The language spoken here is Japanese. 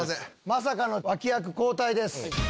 まさかの脇役交代です。